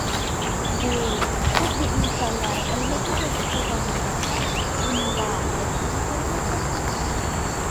بۇ خۇددى ئىنسانلار ئەينەكنى كەشىپ قىلغاندىن باشلاپ ئۇنىڭدا ئەكسىنى كۆرگەندەكلا ئىش.